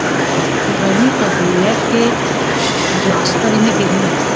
د غزني په ده یک کې د اوسپنې نښې شته.